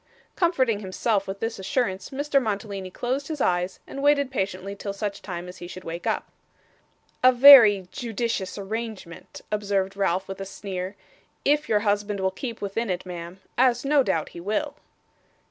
Comforting himself with this assurance, Mr. Mantalini closed his eyes and waited patiently till such time as he should wake up. 'A very judicious arrangement,' observed Ralph with a sneer, 'if your husband will keep within it, ma'am as no doubt he will.